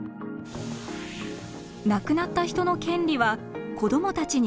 亡くなった人の権利は子供たちに移ります。